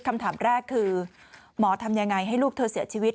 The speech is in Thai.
คำถามแรกคือหมอทำยังไงให้ลูกเธอเสียชีวิต